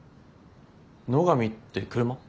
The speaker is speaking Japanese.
野上って車？